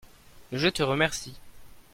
je te remercie.